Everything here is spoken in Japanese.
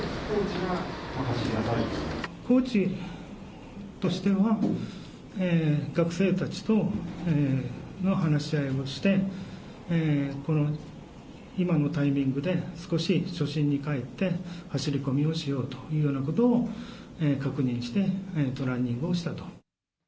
コーチとしては、学生たちと話し合いをして、今のタイミングで少し初心に返って、走り込みをしようというようなことを確認して、ランニングをしたと。